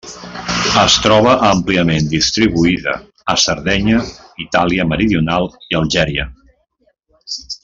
Es troba àmpliament distribuïda a Sardenya, Itàlia meridional i Algèria.